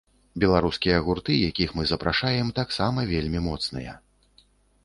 Беларускія гурты, якіх мы запрашаем, таксама вельмі моцныя.